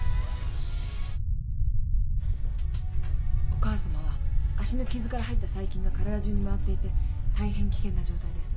お母さまは脚の傷から入った細菌が体中に回っていて大変危険な状態です。